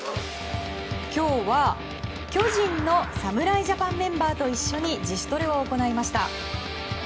今日は、巨人の侍ジャパンメンバーと一緒に自主トレを行いました。